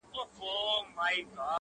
خدایه ته مل سې د ناروغانو-